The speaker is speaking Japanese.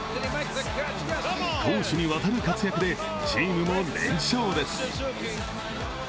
攻守にわたる活躍でチームも連勝です。